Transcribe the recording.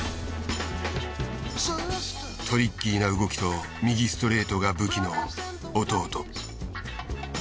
トリッキーな動きと右ストレートが武器の弟。